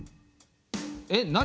えっ何？